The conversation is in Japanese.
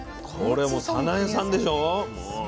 これもうさなゑさんでしょ。